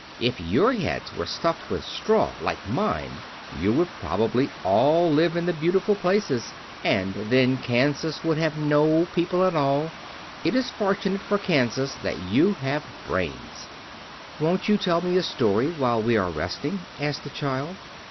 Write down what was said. "If your heads were stuffed with straw, like mine, you would probably all live in the beautiful places, and then Kansas would have no people at all. It is fortunate for Kansas that you have brains." "Won't you tell me a story, while we are resting?" asked the child.